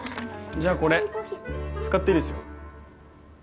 じゃあこれ使っていいですよ。